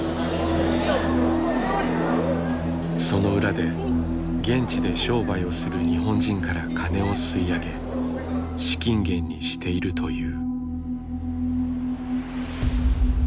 その裏で現地で商売をする日本人からカネを吸い上げ資金源にしているという。